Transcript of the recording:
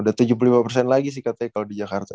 ada tujuh puluh lima persen lagi sih katanya kalau di jakarta